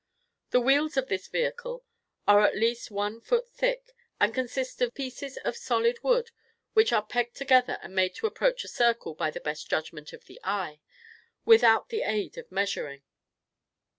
The wheels of this vehicle are at least one foot thick, and consist of pieces of solid wood which are pegged together and made to approach a circle by the best judgment of the eye, without the aid of measuring.